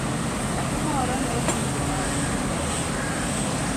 Nyathi moro ne obiro ma oduong'o dhoot.